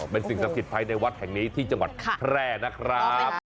เป็นสิ่งศักดิ์สิทธิภายในวัดแห่งนี้ที่จังหวัดแพร่นะครับ